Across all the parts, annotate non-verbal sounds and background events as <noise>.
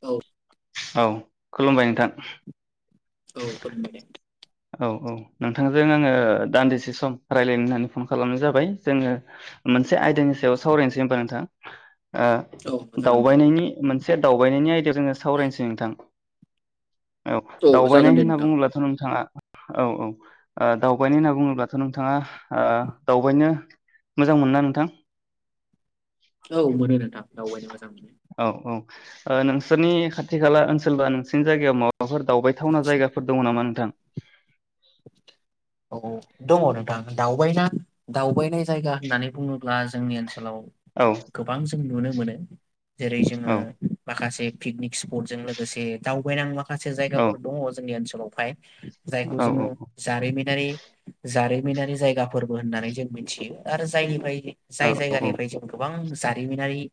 औ औ खुलुमबाय नोंथां औ <unintelligible> औ औ नोंथांजों आङो दान्दिसे सम रायलायनो होननानै फन खालामनाय जाबाय जोङो मोनसे औ आयदानि सायाव सावरायनोसै होनबा नोंथां ओ औ जागोन दे दावबायनायनि मोनसे एसे दावबायनायनि आयदायाव जोङो सावरायनोसै नोंथां औ जागोन दावबायनाय दे होनना नोंथां बुङोब्लाथ' नोंथाङा औ औ ओ दावबायनो होनना बुङोब्लाथ' नोंथाङा ओ दावबायनो मोजां मोना नोंथां औ मानो नोंथां दावबायनो मोजां मोनो औ ओ नोंसोरनि खाथि खाला ओनसोल बा नोंसोरनि जायगायाव माबा माबाफोर दावबायथावना जायगाफोर दं नामा नोंथां औ दङ नोंथां दावबायना दावबायनाय जायगा होननानै बुङोब्ला जोंनि ओनसोलाव औ गोबां जों नुनो मोनो जेरै जोङो औ माखासे पिकनिक स्पट जों लोगोसे दावबायनाय माखासे औ जायगाफोर गाफोर दङ जोंनि ओन फाय जायखौ औ जोङो जारिमिनारि जारि जारिमिनारि जायगा फोरबो होननानै जों मिथियो आरो जाय औ जाय जायगानिफ्राय जों गोबां जारिमिनारि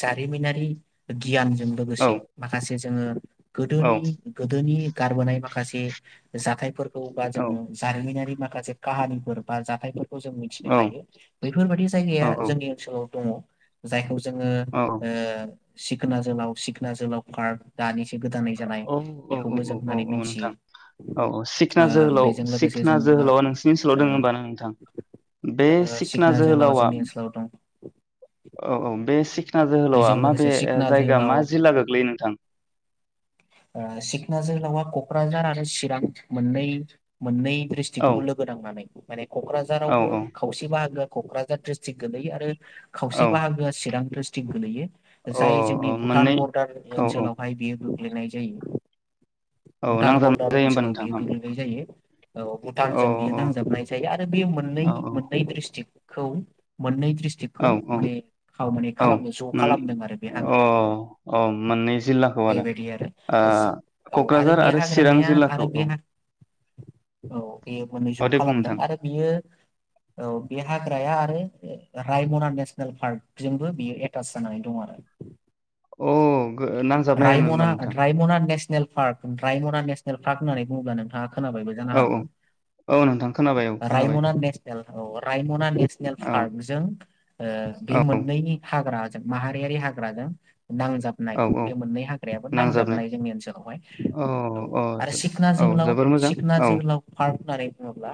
जारिमिनारि गियानजों औ लोगोसे माखासे जोङो गोदोनि औ गोदोनि गारबोनाय माखासे जाथायफोर ब्ला औ जोङो जारिमिनारि माखासे काहानिफोर बा जाथायफोर खौ जों औ मिथिनो हायो बेैफोरबायदि औ जायगाया जोंनि ओनसोलाव दङ जाय जोङो औ ओ सिखना जोलाव सिखना जोलाव पार्क गोदानै जानाय औ औ बेखौबो जों औ होननानै औ मिथियो नोंथां औ औ सिखना ओ जोहोलाव बेजों लोगोसे सिखना जोङो ओ जोहोलावा नोंसिनि ओनसोलाव दोङो होमबा नोंथां बे ओ सिखना जोहोलाव जोहोलावा जोंनि ओनसोलाव दं औ औ बे सिखना जोहोलावा बेजों माबे लोगोसे ओ सिखना जायगा मा जोहोलाव जिल्ला गोग्लैयो नोंथां ओ सिखना जोहोलावा क'क्राझारा मोननै मोननै औ ड्रिसथिकखौ लोगो नांनानै माने औ क'क्राझारावबो खावसे बाहागोन क'क्राझार दिस्ट्रिकट गोलै आरो औ अ खावसे बाहागो चिरां गोलैयो जाय जोंनि अ भुटान मोननै बरदार औ औ ओनसोलावहाय बियो गोग्लैनाय जायो औ भुटान नांजाबनाय बरडार जायो होमबा ओनसोलाव नोंथां बियो औ गोग्लैनाय जायो औ औ भुटानजों बियो नांजाबनाय जायो आरो बे मोननै औ मोननै ड्रिस्टिक खौ मोननै औ स्ट्रिक्खौ माने माने औ खालामनो ज' मोन खालामदों आरो बे औ हाग्राया औ मोननै जिललाखौ आरो बेबायदि जो- औ ओ बे क'क्राझार आरो चिरां हाग्रामाया आरो जिल्लाखौ बे औ हा औ बेयो मोननै ज' औ दे बुं खालामदों नोंथां आरो बियो औ बे हाग्राया आरो रायमना नेसनेल पार्क जोंबो बियो एटास जानानै दं आरो अ नांजाबनाय आरो होमबा नोंथां नेल पार्क रायमना नेसनेल पार्क होननानै बुङोब्ला नोंथांङा खोनाबायबो जानो औ हागौ औ औ नोंथां खोनाबाय औ खोनाबाय रायमना नेसनेल औ रायमना नेसनेल औ पार्कजों ओ बे औ मोननैनि हाग्रा जों माहारियारि हाग्रा जों नांजाबनाय औ औ बे मोननै हाग्रायाबो नांजाबनाय जोंनि ओनसोलावहाय औ आरो जो- सिखना औ जोहोलाव जोबोर मोजां सिखना औ जोहोलाव पार्क होननानै बुङोब्ला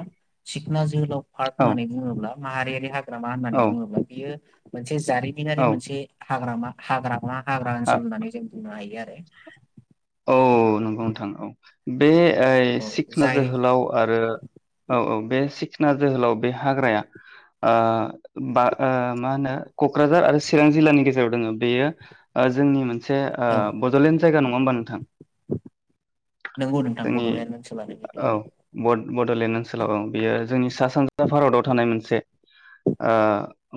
सिखना जोहोलाव पार्क औ होननानै बुङोब्ला <unintelligible> हाग्रामा होननानै औ बुङोब्ला बियो मोनसे जारि मिनारि औ मोनसे हाग्रामा हाग्रा मा हाग्रा आ- ओनसोल होननानै जों बुंनो हायो आरो <inaudible> औ नंगौ नोंथां औ बे ओइ औ सिखना जाय जोहोलाव आरो औ औ बे सिखना जोहोलाव बे हाग्राया ओ बा ओ मा होनो क'क्राझार आरो चिरां जिललानि गेजेराव दङ बेयो ओ जोंनि मोन से ओ औ बड'लेण्ड जायगा नङा होमबा नों नंगौ नोंथां बड'लेण्ड ओसोनलानो गोग्लैयो बड'लेण्ड ओनसोलाव बियो जोंनि सा सानजा भारताव थानाय मोनसे ओ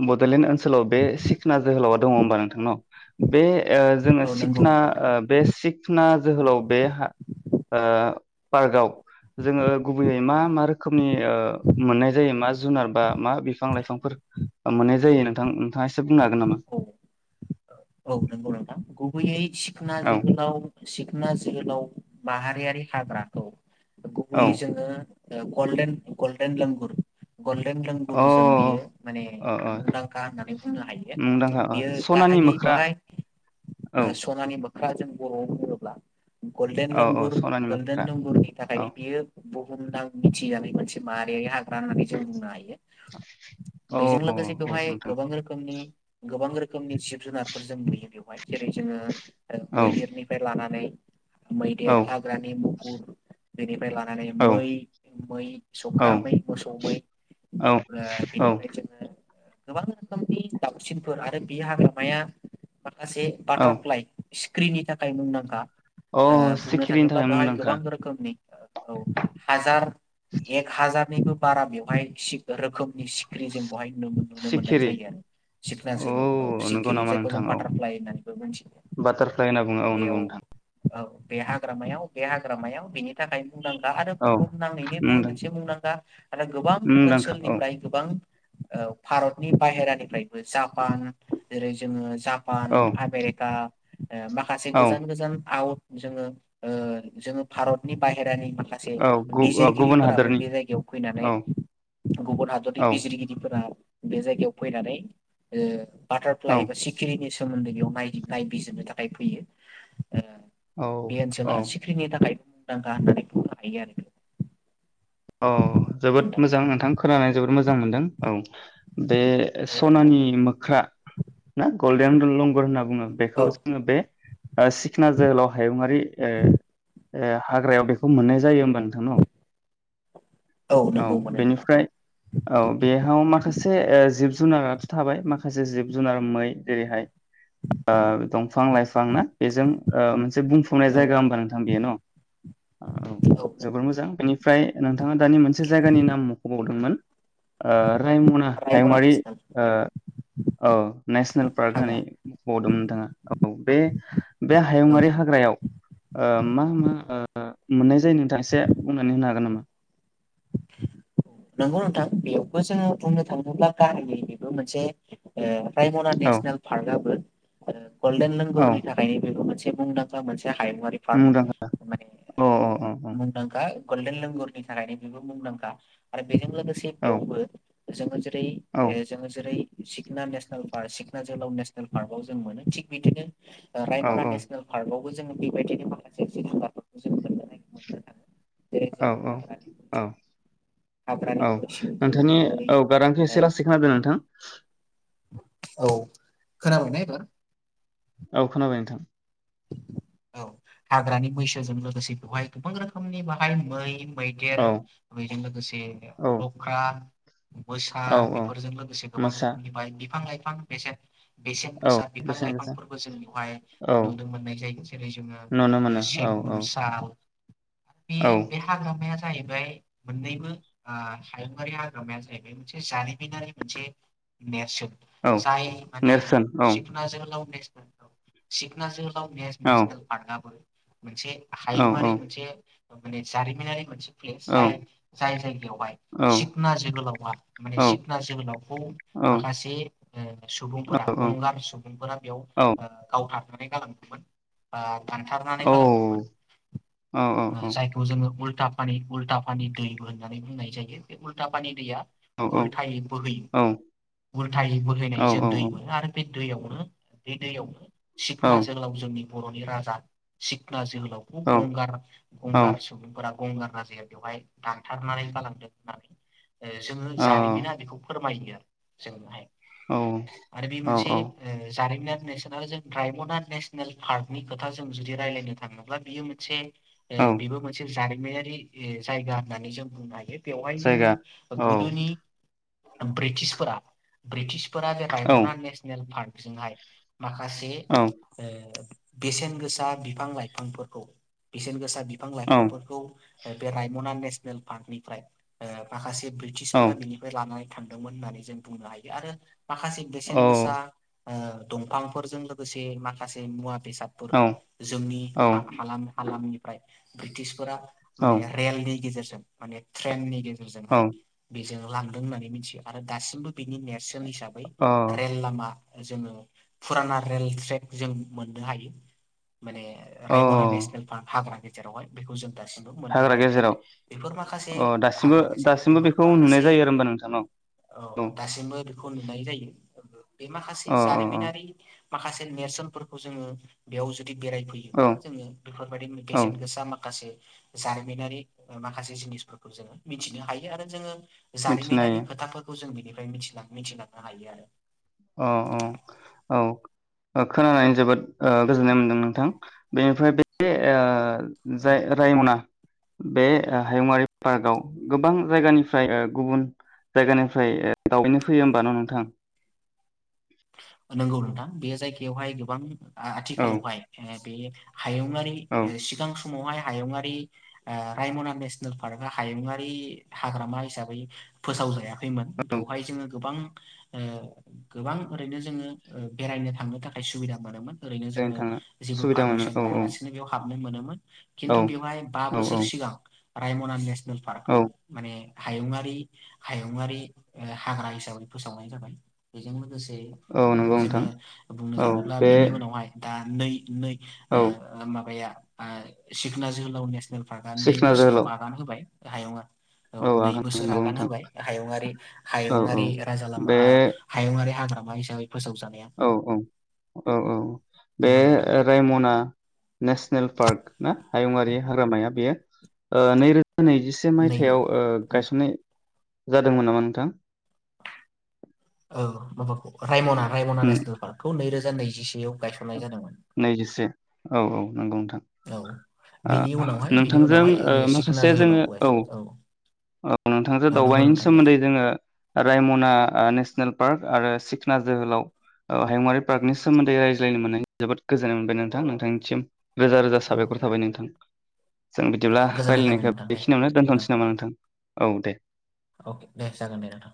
बड'लेण्ड ओन सोलाव बे सिखना जोहोलावा दङ होमबा नोंथां न बे ओ जोङो औ नंगौ सिखना नोंथां ओ बे सिख ना जोहोलाव बे ओ पार्कआव जोङो गुबैयै मा मा रोखोमनि ओ मोननाय जायो मा जुनार बा मा बिफां लाइफांफोर मोननाय जायो नों थां नोंथांङा एसे से बुंनो हागोन नामा औ औ नंगौ नोंथां गुबैयै सिखना औ जोहोलाव सिखना जोहोलाव माहारियारि हाग्रामा औ गुबुयै जोङो गलदेन गलदेन लांगुर गलदेन लांगुर जोंनि बियो अ माने अ अ मुंदांखा होननानै बुंनो हायो मुंदांखा अ बियो सनानि गाहायै मोख्रा बाहाय औ सनानि बा जों बर'आव बुङोब्ला गलदेन औ औ लांगुर सनानि मोख्रा गलदेन लांगुरनि औ थाखायनो बियो बुहुमनां मिथिजानाय मोनसे माहारियारि हाग्रा मा होननानै जों बुंनो हायो औ बेजों लोगोसे औ बेवहाय नोंथां गोबां रोखोमनि गोबां रोखोम रोखोमनि जिब जुनारफोर जों नुयो बेवहाय जेरै जोङो औ मैदेरनिफ्राय लानानै औ मैदेर हाग्रानि <unintelligible> फ्राय लानानै औ मै मै सख्रामै मोसौ मै औ बेनिफ्राय औ जोङो गोबां रोखोमनि दाउसिनफोर आरो बे हाग्रामाया माखासे औ बाटारफ्लाय स्क्रिननि थाखाय मुंदांखा ओ अ बुंनो सिखिरिनि थाङोब्ला थाखाय बेहाय मुंदांखा गोबां रोखोमनि औ हाजार एक हाजार निबो बारा बेवहाय रोखोमनि सिखिरि जों बेवहाय नुनो मोननाय सिखिरि जायो आरो सिकना औ जोलाव सिखिरि जायखौ जों बाटारफ्लाइ होननानै बाटारफ्लााय होनना बुङो औ नंगौ नोंथां औ बे हाग्रामायाव बे हाग्रामायाव बेनि थाखायनो मुंदांखा आरो औ बुहुमनाङैनो बेयो मुंदां मोनसे मुंदांखा आरो गोबां मुंदांखा औ ओनसोलनिफ्राय गोबां औ भारतनि बाहेरानिफ्रायबो जापान जेरै जोङो जापान औ दा माखासे औ गोजान गोजान आवट जोङो ओ जोङो भारतनि बाय हेरानि माखासे औ गु ओ गुबुन बिजिरगिरिफोराबो हादोरनि बे जायगायाव फैनानै औ गुबुन हादरनि औ बिजिरगिरिफोरा बे जायगायाव फैनानै ओ बटार एबा औ फ्लाइखौ सकिरिनि सोमोन <unintelligible> बेयाव नायबिजिरनो थाखाय फैयो बे ओनसोला औ सिख्रिनि थाखाय गार गाय आरो <unintelligible> औ जोबोद मोजां नोंथां खोनानानै जोबोद मोजां मोनदों औ बे औ सनानि नोंथां मोख्रा ना गल बें लंगर होनना बुं औ बेखौ जोङो बे ओ सिखना जोहोलाव हायुङारि ओ ओ हाग्रायाव बेखौ मोननाय जायो होमबा नोंथां न' औ नंगौ मोनो नोंथां बेनिफ्राय औ बेयाव माखासे ओ जिब जुनाराथ' थाबाय माखासे जिब जुनार मै जेरैहाय ओ दंफां लाइफां ना बेजों ओ मोनसे बुंफुंनाय औ जायगा हबा नोंथां बेयो न' औ औ नंगौ जोबोर मोजां नोंथां बेनि फ्राय नोंथाङा दानि मोनसे जायगानि नाम मख'बावदोंमोन ओ रायमना रायमना हायुंङारि नेसनेल ओ औ नेसनेल पार्क हाग्रा होननानै मख'दोंमोन नोंथाङा औ बे बे औ हायुङारि हाग्रायाव ओ मा मा ओ ओ मोननाय जायो नोंथां एसे बुं नानि होनो हागोन नामा नंगौ नोंथां बेयावबो जोङो बुंनो थाङोब्ला गाहायनि बेबो मोनसे ओ रायमना औ नेसनेल पार्कआबो आरो गलदेन औ लेंगरनि थाखायनो बेबो मोनसे मुंदांखा मोनसे हायुङारि पार्क मुंदांखा माने औ औ मुंदांखा गल्डेन लेंगुरनि थाखायनो बेबो मुंदांखा आरो बेजों लोगो से औ बेयावबो जोङो जे रै औ ओ जोङो जेरै सिखना नेसनेल पार्क सिखना जोहोलाव नेसनेल पार्कआव जों मोनो थिग बिदिनो ओ रायमना नेसनेल पार्कआव बो जोङो बेबायदिनो माखासे जिब जोनारफोरखौ जों मोननो नागिरो मोन औ औ औ हाग्रानि औ मैसो जोङो नोंथांनि मै औ गारांखौ ओ एसे लासै खोनादों नोंथां औ खोनाबायना एबार औ खोनाबाय नोंथां औ हाग्रानि मैसोजों लोगोसे बेवहाय गोबां रोखोमनि बाहाय मै मैदेर औ बेजों लोगोसे औ लख्रा मोसा औ औ बेफोरजों लोगोसे गोबां मोसा रोखोमनि माइ बिफां लाइ फां बेसेन बेसेन औ गोसा बेसेन गोसा बिफां-लाइफांफोरबो जों बेवहाय औ नुनो मोननाय जायो जेरै जोङो नुनो ओ मोनो औ औ सेगुन साल बेयो औ बे हाग्रामाया जाहै बाय मोननैबो ओ हायुंङारि हाग्रामाया जाहैबाय मोनसे जारिमिनारि मोनसे नेरसोन औ जाय माने नेरसोन औ सिखना जोहोलाव नेस <unintelligible> सिखना जोहो लाव औ नेसनेल पार्काआबो मोनसे औ औ हायुंआारि मोनसे माने जारिमिनारि मोन से औ जाय जाय जायगायावहाय औ सिखना जोहोलावआ माने औ सिखना जोहोलावखौ औ माखासे ओ सुबुंफोरा औ गंगार सुबुंफोरा बेयाव ओ गावथार माने गालांदोंमोन ओ दानथारनानै गालांदोंमोन औ ओ जायखौ जोङो उल लटापानि उलटा पानि दैबो होननानै बुंनाय जायो बे उलटापानि दैया उलथायै बोहैयो उलथायै बोहैनाय औ जों औ औ दै मोनो आरो बे दैआवनो बे दैआवनो औ सिखना जोहोलाव जोंनि बर'नि राजा सिखना जोहो औ गंगार औ गंगार सुबुं फोरा गंगार राजआया बेवहाय दानथारनानै गालांदों होननानै ओ जोङो जारिमिना बेखौ फोरमायो। जोंनाय। औ आरो बे मोनसे औ जारिमिनारि <unintelligible> रायमना नेसनेल पार्कनि खोथा जों जुदि रायलायनो थाङोब्ला बियो मोनसे औ ए बिबो मोनसे जारिमिन नारि जायगा होननानै जों बुंनो हायो बेवहाय जोङो जायगा औ गोदोनि ब्रिटिशफोरा ब्रिटि फोरा बे औ रायमना नेसनेल पार्क बिजोंहाय माखासे <inaudible> औ बेसेन गोसा बिफां लाइफांफोरखौ बेसेन गोसा बिफां औ लाइफांफोरखौ बे रायमना नेसनेल पार्कनिफ्राय माखासे औ ब्रिटिशफोरा बिनिफ्राय लानाय थांदोंमोन होननानै जों बुंनो हायो आरो। माखासे बेसेन गोसा ओ दंफांफोरजों माखासे मुवा बेसाद जोंनि औ हालाम हालामनिफ्राय ब्रिटिसफोरा माने रेलनि गेजेर माने ट्रेननि गेजेरजोंहाय औ बे लांदों होननानै मिथियो आरो दासिमबो बेनि नेरसोन हिसाबै अ रेल लामा जोङो फुराना रेल ट्रेक जों मोननो हायो। माने औ रायम'ना नेसनेल पार्क हा जेरावहाय बेखौ जों दासिमबो मोननो हाग्रा हायो आरो गेजेराव बेफोर माखासे अ दासिमबो हाग्रा गेजेराव दासिमबो बेफोर बेखौ नुनाय माखासे जायो आरो होमबा नोंथांनाव औ दासिमबो बेखौ नुनाय जायो। बे माखासे औ औ जारिमिनारि माखासे नेरसोनफोरखौ जोङो बेयाव जों जुदि औ बेरायफैयोब्ला जोङो बेफोरबायदि औ बेसेन गोसा माखासे। जारिमिनारि माखासे जिनिसफोरखौ जोङो मिथिनो हायो। आरो जोङो मिथिनो जारिमिनारि हायो खोथाफोरखौ जों बिनि। मिथिलांनो हायो आरो। अ अ नोंथां औ। खोनानानै जोबोद ओ गोजोननाय मोनदों नोंथां बेनिफ्राय बे औ जाय रायमना बे हायुंङारि पार्कआव गोबां जायगानिफ्राय ओ गुबुन जायगानिफ्राय ओ दावबायनो फैयो होमबा ना। नोंथां नंगौ नोंथां बे जायगायावहाय गोबां औ आथिखालावहाय बे हायुङारि औ सिगां समावहाय हायुङारि ओ रायमना नेसनेल पार्कआ हायुङारि हाग्रामा हिसाबै फोसावजाया। खैमोन बेवहाय जोङो गोबां ओ गोबां ओरैनो जोङो बेरायनो थांनो थाखाय सुबिदा मोनोमोन ओरैनो जोङो थाङो जेबो सुबिदा मोनो पारमिसन औ औ लायालासिनो बेयाव हाब मान मानोमोन औ खिन्थु बेवहाय बा औ बोसोर औ सिगां राय मना नेस पार्कखौ औ माने हायुंङारि हायुङारि हाग्रा हिसाबै फोसावनाय जाबाय बेजों लोगोसे औ नंगौ जोङो नोंथां बुंनो औ थाङोब्ला बे बेनि उनावहाय दा मोननै मोननै औ ओ माबाया आ सिखना जोहोलाव नेस फारगा नै सिखना बोसोराव जोहोलाव आगान होबाय हायुङा औ नै हागोन बोसोर नंगौ आगान नोंथां होबाय हायुंङारि औ औ हायुङारि राजा लामा बे हायुङारि हाग्रा मायसाब औ औ औ औ बे नंगौ नोंथां रायमना नेसनेल पार्क ना हायुङारि हाग्रामाया बेयो ओ नैरोजा नैजिसे नैबो मायथाइाव ओ गायसननाय जादोंमोन नामा नोंथां? अ माबाखौ रायमना रायमना नेसनेल पर्कखौ नै रोजा रोजा नैजिसेआव। गायसननाय जादोंमोन। नैजिसे औ औ नंगौ नोंथां औ बिनि उनावहाय ओ बिनि नोंथांजों उनावहाय सिखोना माखासे जोङो जोहोलावखौहाय औ औ नोंथांजों औ नंगौ दावबायनि नोंथां दे सोमोन्दै जोङो रायमना नेसनेल पार्क आरो सिखना जोहोलाव हायुंवारि पार्कनि सोमोन्दै रायज्ला ज्लायनो मोननाय जोबोद गोजोननाय मोनबाय नोंथां नोंथांनिसिम। रोजा रोजा औ साबायखर थाबाय नोंथां। जों बिदिब्ला गोजोननाय थाबाय रायलायनायखौ नोंथां दे बेखिनियावनो औ दोनथ'नोसै नामा नोंथां? औ दे। अके दे जागोनदे नोंथां।